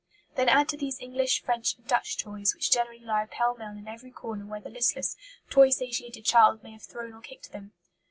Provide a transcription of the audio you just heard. Then add to these English, French, and Dutch toys, which generally lie pell mell in every corner where the listless, toy satiated child may have thrown or kicked them.